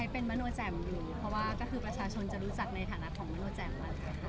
เป็นมนุษย์แจมอยู่เพราะว่าก็คือประชาชนจะรู้จักในฐานะของมนุษย์แจมมาก